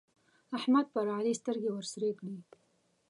احمد پر علي سترګې ورسرې کړې.